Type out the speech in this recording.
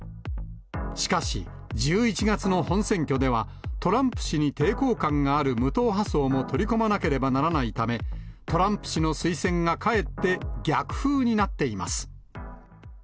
しかし、１１月の本選挙では、トランプ氏に抵抗感がある無党派層も取り込まなければならないため、トランプ氏の推薦がかえって逆風になっています。